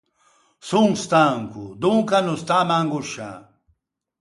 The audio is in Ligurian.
Son stanco, donca no stâme à angosciâ.